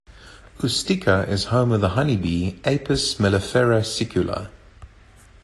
Ustica is home of the honeybee "Apis mellifera sicula".